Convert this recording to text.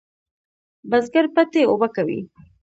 بزگر پټی اوبه کوي.